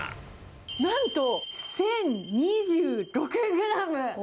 なんと１０２６グラム。